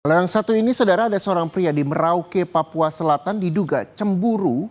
yang satu ini saudara ada seorang pria di merauke papua selatan diduga cemburu